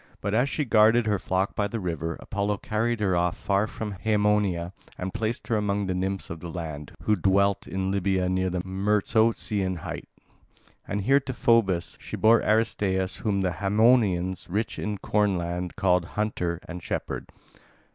But, as she guarded her flock by the river, Apollo carried her off far from Haemonia and placed her among the nymphs of the land, who dwelt in Libya near the Myrtosian height. And here to Phoebus she bore Aristaeus whom the Haemonians, rich in corn land, call "Hunter" and "Shepherd".